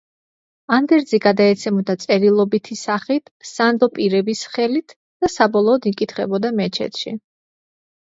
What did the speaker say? ანდერძი გადაეცემოდა წერილობითი სახით სანდო პირების ხელით და საბოლოოდ იკითხებოდა მეჩეთში.